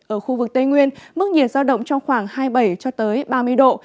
ở khu vực tây nguyên mức nhiệt giao động trong khoảng hai mươi bảy ba mươi độ